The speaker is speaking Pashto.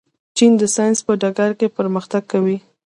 چین د ساینس په ډګر کې پرمختګ کوي.